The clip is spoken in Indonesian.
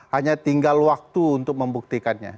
hanya tinggal waktu untuk membuktikannya